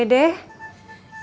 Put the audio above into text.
iya min nanti akan cari tau